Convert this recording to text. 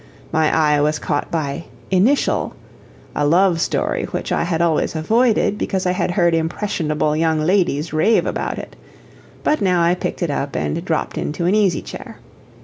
My eye was caught by "Initial," a love story which I had always avoided because I had heard impressible young ladies rave about it; but now I picked it up and dropped into an easy chair.